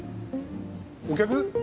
お客？